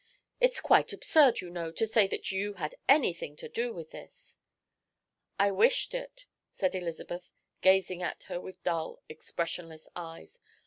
It's quite absurd, you know, to say that you had anything to do with this." "I wished it," said Elizabeth, gazing at her with dull, expressionless eyes.